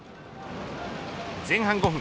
前半５分